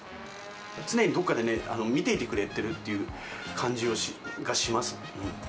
常にどこかで見ていてくれてるっていう感じがします。